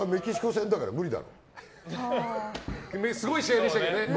すごい試合でしたけど。